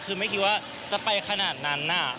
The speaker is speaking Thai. คือไม่คิดว่าจะไปขนาดนั้น